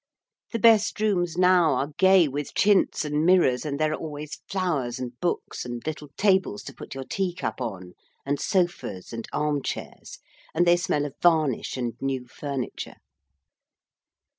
The best rooms now are gay with chintz and mirrors, and there are always flowers and books, and little tables to put your teacup on, and sofas, and armchairs. And they smell of varnish and new furniture.